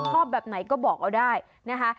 ชอบแบบไหนก็บอกเอาได้นะคะ